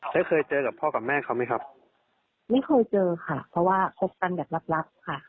เคยเจอกับพ่อกับแม่เขาไหมครับไม่เคยเจอค่ะเพราะว่าคบกันแบบลับลับค่ะ